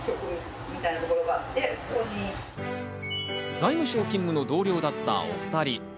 財務省勤務の同僚だったお２人。